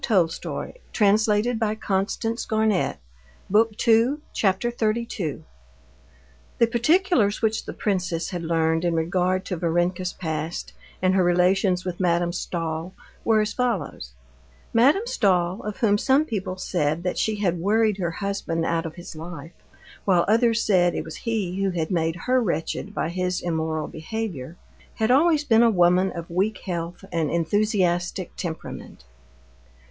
"Varenka, mamma's calling!" they cried. And Varenka went after them. Chapter 32 The particulars which the princess had learned in regard to Varenka's past and her relations with Madame Stahl were as follows: Madame Stahl, of whom some people said that she had worried her husband out of his life, while others said it was he who had made her wretched by his immoral behavior, had always been a woman of weak health and enthusiastic temperament.